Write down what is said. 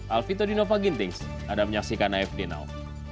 alvito dinova gintings ada menyaksikan afd now